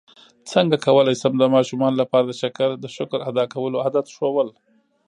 څنګه کولی شم د ماشومانو لپاره د شکر ادا کولو عادت ښوول